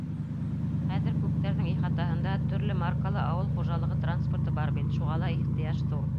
Хәҙер күптәрҙең ихатаһында төрлө маркалы ауыл хужалығы транспорты бар бит, шуға ла ихтыяж ҙур.